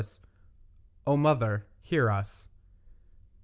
O mother, hear us.